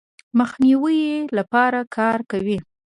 مخنیوي لپاره کار کوي.